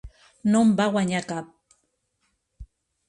No en va guanyar cap.